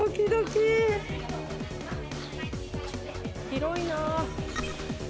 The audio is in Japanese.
広いな。